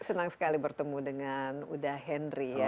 senang sekali bertemu dengan udah hendry ya